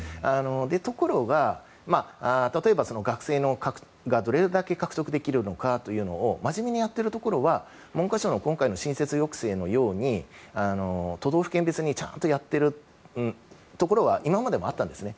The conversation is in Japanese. ところが、例えば学生をどれだけ獲得できるかのかを真面目にやってるところは文科省の今回の新設抑制のように都道府県別にちゃんとやっているところは今までもあったんですね。